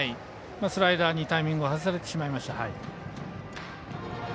スライダーにタイミングを外されてしまいました。